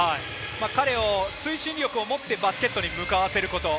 彼を推進力を持ってバスケットに向かわせること。